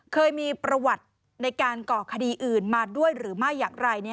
เคยมีประวัติในการก่อคดีอื่นมาด้วยหรือไม่อย่างไร